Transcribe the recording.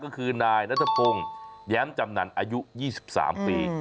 ก็คือนายนัทพงศ์แย้มจำนันอายุ๒๓ปี